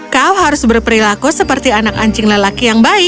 kau harus berperilaku seperti anak anjing lelaki yang baik